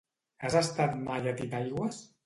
Has estat mai a Titaigües?